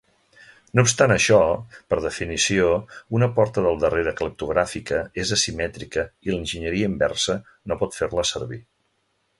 No obstant això, per definició, una porta del darrere cleptogràfica és asimètrica i l'enginyeria inversa no pot fer-la servir.